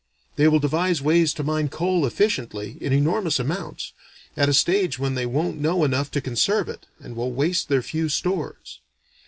They will devise ways to mine coal efficiently, in enormous amounts, at a stage when they won't know enough to conserve it, and will waste their few stores.